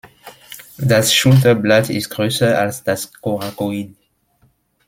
Das Schulterblatt ist größer als das Coracoid.